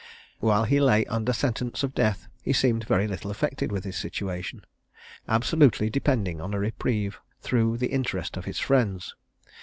While he lay under sentence of death, he seemed very little affected with his situation, absolutely depending on a reprieve, through the interest of his friends.